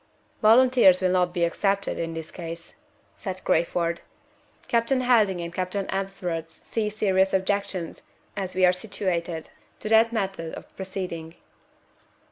"Volunteers will not be accepted, in this case," said Crayford. "Captain Helding and Captain Ebsworth see serious objections, as we are situated, to that method of proceeding."